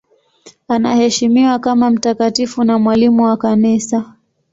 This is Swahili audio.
Anaheshimiwa kama mtakatifu na mwalimu wa Kanisa.